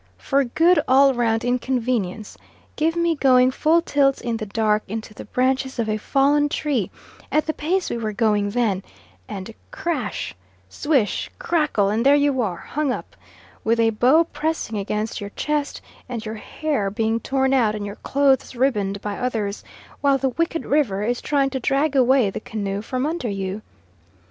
For good all round inconvenience, give me going full tilt in the dark into the branches of a fallen tree at the pace we were going then and crash, swish, crackle and there you are, hung up, with a bough pressing against your chest, and your hair being torn out and your clothes ribboned by others, while the wicked river is trying to drag away the canoe from under you.